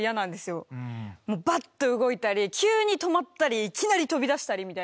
もうバッと動いたり急に止まったりいきなり飛び出したりみたいな。